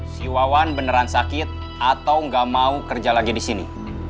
si wawan beneran sakit atau nggak mau kerja lagi di sini